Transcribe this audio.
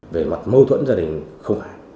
về mặt mâu thuẫn gia đình không phải